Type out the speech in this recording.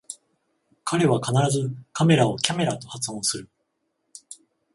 彼は必ずカメラをキャメラと発音する